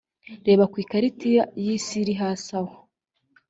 reba ku ikarita y’isi iri hasi aho.